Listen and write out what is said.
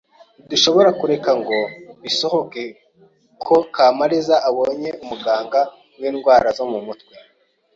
Ntidushobora kureka ngo bisohoke ko Kamaliza abonye umuganga windwara zo mumutwe.